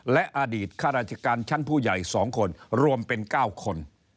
และอดีตข้าราชการชั้นผู้ใหญ่๒คนรวมเป็น๙คน